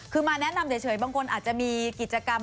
คือมาแนะนำเฉยบางคนอาจจะมีกิจกรรม